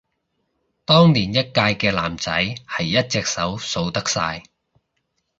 當年一屆嘅男仔係一隻手數得晒